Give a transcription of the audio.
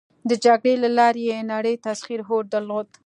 د جګړې له لارې یې نړی تسخیر هوډ درلود.